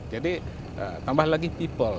jadi tambah lagi people